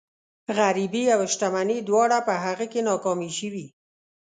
غريبي او شتمني دواړه په هغه کې ناکامې شوي.